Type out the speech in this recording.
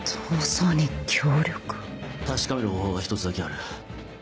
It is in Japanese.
確かめる方法が１つだけある。